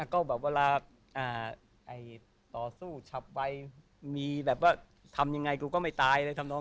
ก็แบบเวลาต่อสู้ฉับไวมีแบบว่าทำยังไงกูก็ไม่ตายเลยทำน้อง